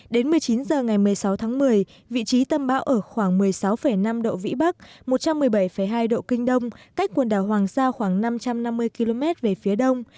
đến một mươi chín h ngày một mươi sáu tháng một mươi vị trí tâm bão ở khoảng một mươi sáu năm độ vĩ bắc một trăm một mươi bảy hai độ kinh đông cách quần đảo hoàng sa khoảng năm trăm năm mươi km về phía đông